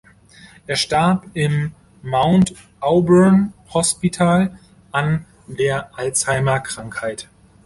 Er starb im Mount Auburn Hospital an der Alzheimer-Krankheit.